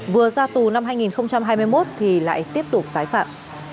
vừa ra tù năm hai nghìn hai mươi một thì lại tiếp tục tái phạm